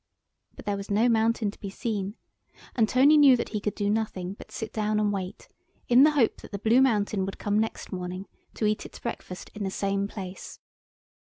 But there was no mountain to be seen, and Tony knew that he could do nothing but sit down and wait, in the hope that the Blue Mountain would come next morning to eat its breakfast in the same place.